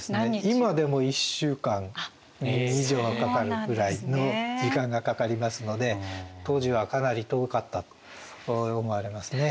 今でも１週間以上はかかるぐらいの時間がかかりますので当時はかなり遠かったと思われますね。